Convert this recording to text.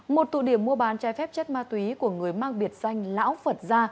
một tụ điểm mua bán trái phép chất ma túy của người mang biệt danh lão phật gia